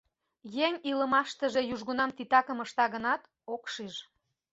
Еҥ илымаштыже южгунам титакым ышта гынат, ок шиж.